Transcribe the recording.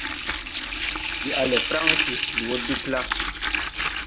Ndi a le Fransi. Ndi wo Dugla.